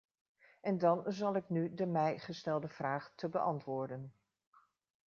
En dan zal ik nu de mij gestelde vraag te beantwoorden.